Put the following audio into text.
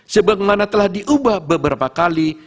sebagaimana telah diubah beberapa kali